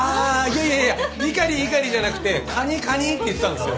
いやいやいや「イカリイカリ」じゃなくて「カニカニ」って言ってたんですよ。